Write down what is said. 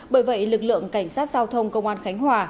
bởi vậy lực lượng cảnh sát giao thông công an khánh hòa